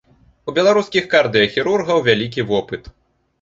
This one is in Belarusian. У беларускіх кардыяхірургаў вялікі вопыт.